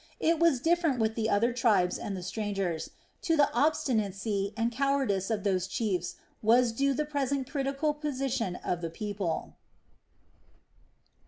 It was different with the other tribes and the strangers, to the obstinacy and cowardice of whose chiefs was due the present critical position of the people.